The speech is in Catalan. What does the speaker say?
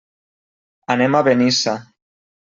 Anem a Benissa.